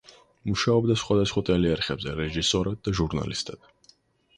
მუშაობდა სხვადასხვა ტელეარხებზე რეჟისორად და ჟურნალისტად.